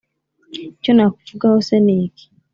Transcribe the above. Icyo nakuvugaho se ni iki?